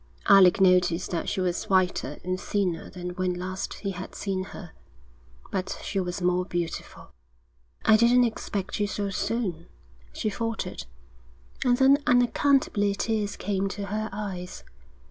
Alec noticed that she was whiter and thinner than when last he had seen her; but she was more beautiful. 'I didn't expect you so soon,' she faltered. And then unaccountably tears came to her eyes.